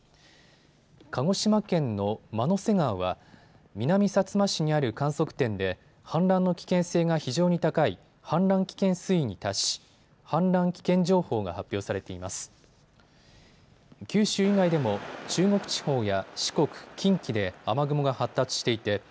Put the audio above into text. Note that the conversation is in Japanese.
鹿児島県の万之瀬川は南さつま市にある観測点で氾濫の危険性が非常に高い氾濫危険水位に達し氾濫危険情報が発表されています。